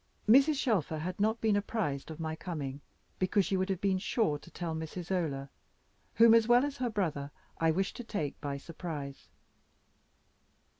Mrs. Shelfer had not been apprised of my coming, because she would have been sure to tell Miss Isola, whom, as well as her brother, I wished to take by surprise.